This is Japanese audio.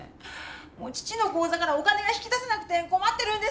もう父の口座からお金が引き出せなくて困ってるんです！